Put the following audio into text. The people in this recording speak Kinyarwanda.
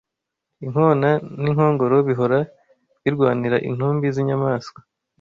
inkona n’inkongoro bihora birwanira intumbi z’inyamaswa